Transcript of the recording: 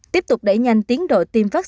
tiếp tục đẩy nhanh tiến độ tiêm vaccine